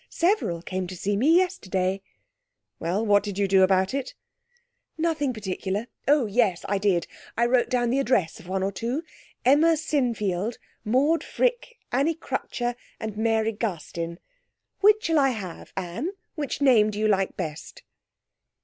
Several came to see me yesterday.' 'Well, what did you do about it?' 'Nothing particular. Oh yes; I did. I wrote down the address of one or two. Emma Sinfield, Maude Frick, Annie Crutcher, and Mary Garstin. Which shall I have, Anne which name do you like best?'